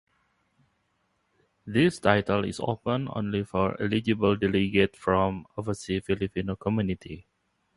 This title is open only for eligible delegates from overseas Filipino communities.